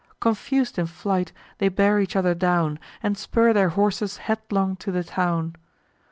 Confus'd in flight, they bear each other down, And spur their horses headlong to the town.